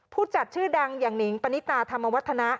ผู้จัดชื่อดังอย่างนิงปณิตาธรรมวัฒนะ